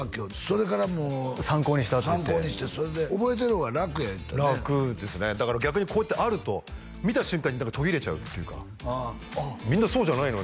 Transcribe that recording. それからもう参考にしてますって覚えてる方が楽や言うてたね楽ですねだから逆にこうやってあると見た瞬間に途切れちゃうっていうか「みんなそうじゃないの？」